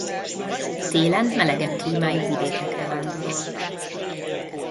Télen melegebb klímájú vidékekre vándorol.